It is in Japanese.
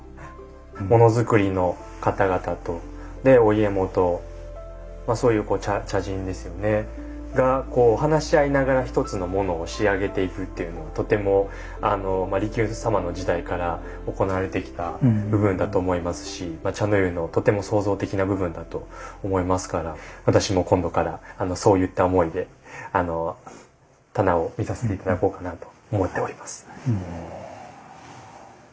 ものづくりの方々とでお家元そういう茶人ですよねがこう話し合いながら一つのものを仕上げていくっていうのはとても利休様の時代から行われてきた部分だと思いますし茶の湯のとても創造的な部分だと思いますから私も今度からそういった思いで棚を見させて頂こうかなと思っております。